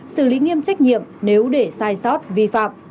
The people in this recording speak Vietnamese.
xử lý nghiêm trách nhiệm nếu để sai sót vi phạm